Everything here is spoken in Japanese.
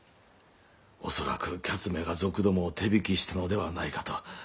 恐らく彼奴めが賊どもを手引きしたのではないかと。